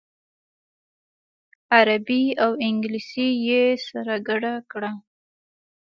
عربي او انګلیسي یې سره ګډه کړه.